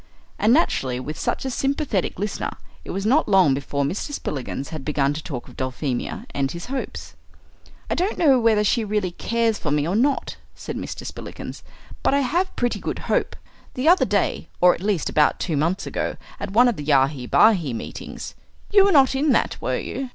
And naturally, with such a sympathetic listener, it was not long before Mr. Spillikins had begun to talk of Dulphemia and his hopes. "I don't know whether she really cares for me or not," said Mr. Spillikins, "but I have pretty good hope. The other day, or at least about two months ago, at one of the Yahi Bahi meetings you were not in that, were you?"